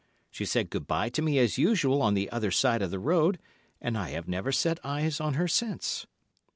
She said good bye to me as usual on the other side of the road, and I have never set eyes on her since."